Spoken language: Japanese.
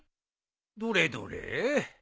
どれどれ。